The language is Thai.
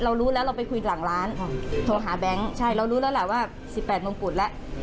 เรารู้แล้วเราไปคุยหลังร้านโทรหาแบงค์ใช่เรารู้แล้วล่ะว่า๑๘มงกุฎแล้ว